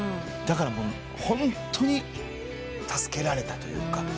だからホントに助けられたというか。